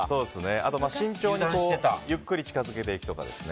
あと慎重にゆっくり近づけていくとかですね。